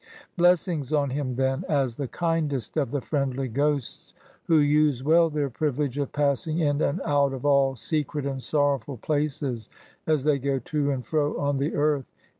Blessings on him then, as the kindest of the friendly ghosts who use well their privilege of passing in and out of all secret and sorrowfril places, as they go to and fro on the earth